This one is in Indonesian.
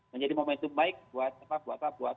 menjadi momentum baik buat